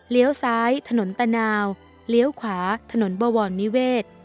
ซ้ายถนนตะนาวเลี้ยวขวาถนนบวรนิเวศ